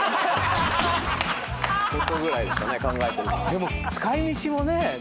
でも使い道もね。